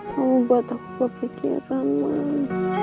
kamu buat aku berpikiran mas